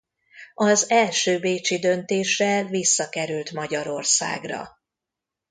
Az első bécsi döntéssel visszakerült Magyarországra.